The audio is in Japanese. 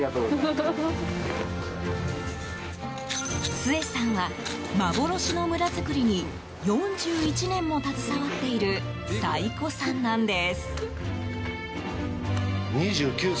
スエさんは、幻の村作りに４１年も携わっている最古参なんです。